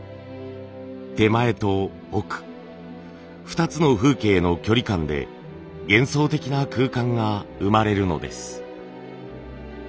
手前と奥２つの風景の距離感で幻想的な空間が生まれるのです。